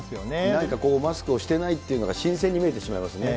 何かこうマスクをしてないっていうのが新鮮に見えてしまいますね。